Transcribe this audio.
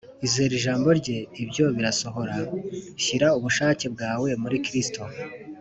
Izere ijambo Rye, ibyo birasohora. Shyira ubushake bwawe muri Kristo